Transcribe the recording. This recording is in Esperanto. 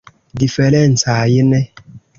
Diferencajn?